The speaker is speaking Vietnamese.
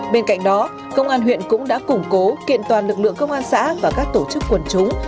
bên cạnh đó công an huyện cũng đã củng cố kiện toàn lực lượng công an xã và các tổ chức quần chúng